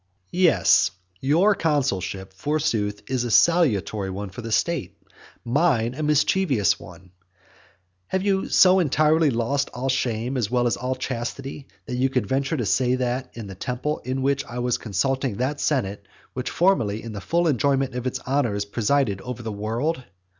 VII. Yes, your consulship, forsooth, is a salutary one for the state, mine a mischievous one. Have you so entirely lost all shame as well as all chastity, that you could venture to say this in that temple in which I was consulting that senate which formerly in the full enjoyment of its honours presided over the world?